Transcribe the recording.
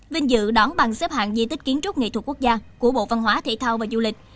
tổ chức lễ đón bằng xếp hạng di tích kiến trúc nghệ thuật quốc gia của bộ văn hóa thể thao và du lịch